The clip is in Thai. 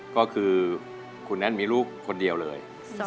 ก็คือคุณนั้นมีลูกคนเดียวเลย